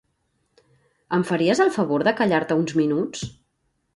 Em faries el favor de callar-te uns minuts?